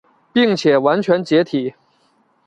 并且完全解体。